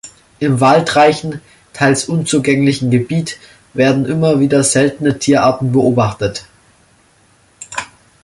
Im waldreichen, teils unzugänglichen Gebiet werden immer wieder seltene Tierarten beobachtet.